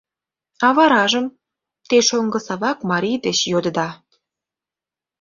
«А варажым?» — те шоҥго Савак марий деч йодыда.